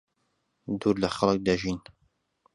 دوور لەخەڵک دەژین.